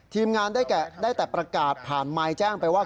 ทีมงานได้แต่ประกาศผ่านไมค์แจ้งไปว่า